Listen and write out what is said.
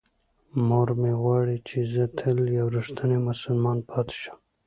مور مې غواړي چې زه تل یو رښتینی مسلمان پاتې شم.